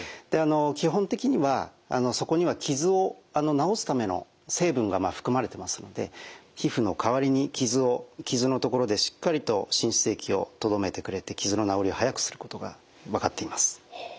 基本的にはそこには傷を治すための成分が含まれてますので皮膚の代わりに傷の所でしっかりと浸出液をとどめてくれて傷の治りを早くすることが分かっています。